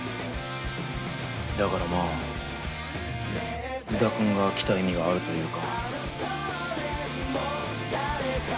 だからまあ宇田くんが来た意味があるというか。